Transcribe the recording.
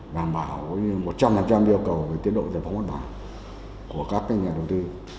đảm bảo một trăm linh yêu cầu về tiến đội giải phóng văn bản của các doanh nghiệp đầu tư